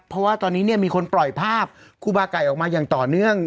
เพราะว่าตอนนี้เนี่ยมีคนปล่อยภาพครูบาไก่ออกมาอย่างต่อเนื่อง